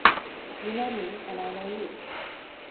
You know me, and I know you.